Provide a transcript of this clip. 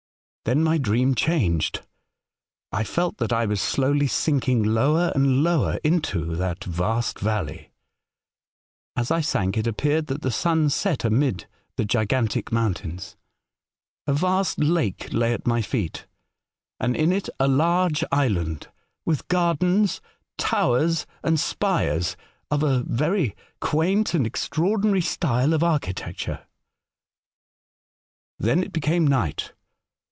*' Then my dream changed. I felt that I was slowly sinking lower and lower into that vast valley. As I sank, it appeared that the sun set amid the gigantic mountains. A vast lake lay at my feet, and in it a large island with K^ A Strange Letter. ^7 gardens, towers, and spires of a very quaint and extraordinary style of architecture. "Then it became night.